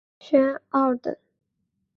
勋二等。